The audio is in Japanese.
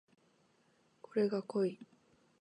これが濃い